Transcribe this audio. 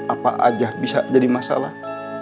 apa aja bisa jadi masalah